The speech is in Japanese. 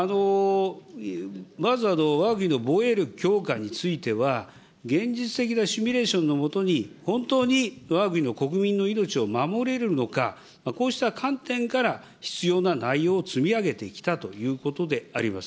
まずわが国の防衛力強化については、現実的なシミュレーションのもとに本当にわが国の国民の命を守れるのか、こうした観点から必要な内容を積み上げてきたということであります。